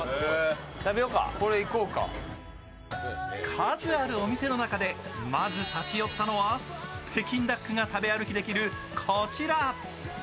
数あるお店の中で、まず立ち寄ったのは北京ダックが食べ歩きできる、こちら。